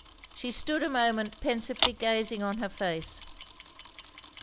She stood a moment pensively gazing on her face.